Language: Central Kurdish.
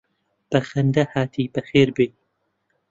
بە خەندە هاتی بەخێر بێی